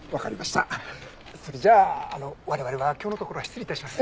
それじゃあ我々は今日のところは失礼致します。